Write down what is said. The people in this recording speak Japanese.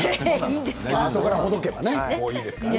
あとからほどけばいいですからね。